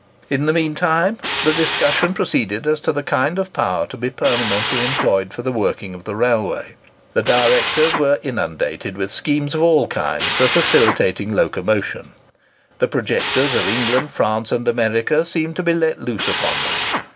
In the mean time the discussion proceeded as to the kind of power to be permanently employed for the working of the railway. The directors were inundated with schemes of all sorts for facilitating locomotion. The projectors of England, France, and America, seemed to be let loose upon them.